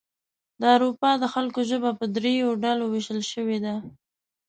د اروپا د خلکو ژبه په دریو ډلو ویشل شوې ده.